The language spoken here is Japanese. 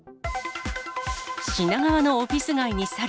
品川のオフィス街にサル。